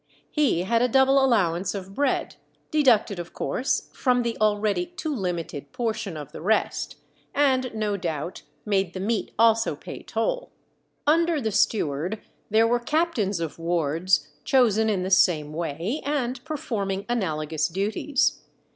He had a double allowance of bread, deducted, of course, from the already too limited portion of the rest, and no doubt made the meat also pay toll. Under the steward there were captains of wards, chosen in the same way, and performing analogous duties.